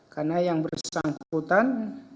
karena yang bersangkutan